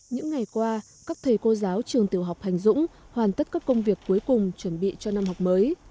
những ngày qua các thầy cô giáo trường tiểu học hành dũng hoàn tất các công việc cuối cùng chuẩn bị cho năm học mới